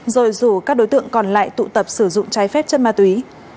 rồi rủ các đối tượng còn lại tụ tập sử dụng trái phép chất ma túy